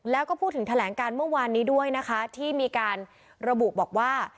แล้วก็พูดถึงแถลงการเมื่อวานนี้ด้วยนะคะที่มีการระบุบอกว่า